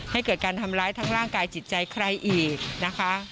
ให้เกิดการทำร้ายทั้งร่างกายจิตใจใครอีกนะคะ